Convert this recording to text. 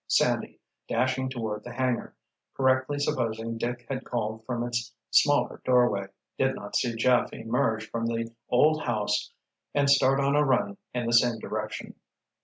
Sandy, dashing toward the hangar, correctly supposing Dick had called from its smaller doorway, did not see Jeff emerge from the old house and start on a run in the same direction.